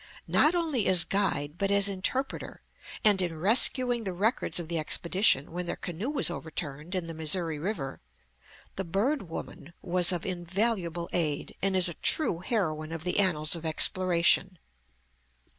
Not only as guide, but as interpreter, and in rescuing the records of the expedition when their canoe was overturned in the Missouri River, the "Bird Woman" was of invaluable aid, and is a true heroine of the annals of exploration.